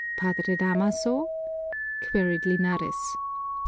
"Padre Damaso?" queried Linares.